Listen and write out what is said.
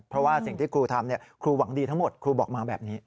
เพราะว่าสิ่งที่ครูทำครูหวังดีทั้งหมดครูบอกมาแบบนี้